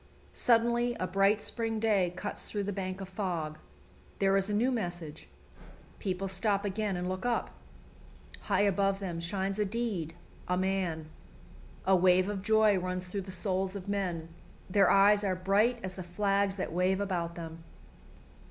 Suddenly a bright spring day cuts through the bank of fog. There is a new message. People stop again and look up. High above them shines a deed, a man. A wave of joy runs through the souls of men; their eyes are bright as the flags that wave about them.